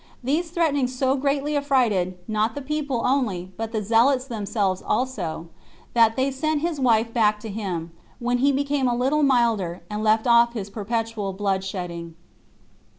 These threatenings so greatly affrighted, not the people only, but the zealots themselves also, that they sent his wife back to him; when he became a little milder, and left off his perpetual blood shedding.